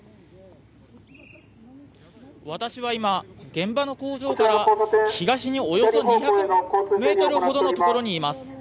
私は今、現場の工場から東におよそ２００メートルほどのところにいます。